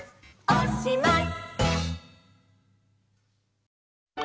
おしまい！